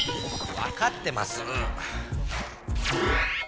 分かってますぅ！